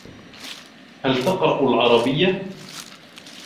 هل تقرأ العربيّة؟